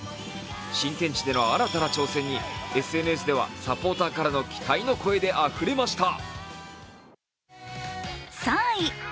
新天地での新たな挑戦にＳＮＳでは、サポーターからの期待の声であふれました。